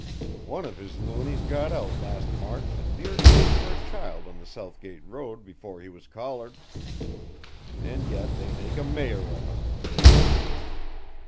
One of his loonies got out last March and near did for a child on the Southgate Road before he was collared; and yet they make a Mayor of him."